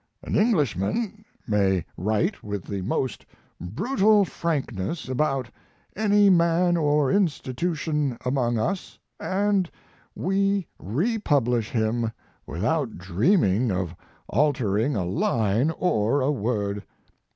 An Englishman may write with the most brutal frankness about any man or institution among us and we republish him without dreaming of altering a line or a word.